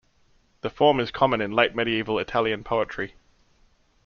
The form is common in late medieval Italian poetry.